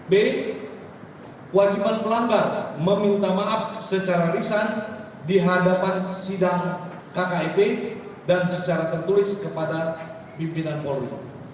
b wajiban pelanggar meminta maaf secara lisan di hadapan sidang kkip dan secara tertulis kepada pimpinan polri